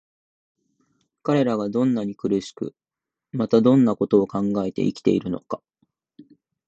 彼等がどんなに苦しく、またどんな事を考えて生きているのか、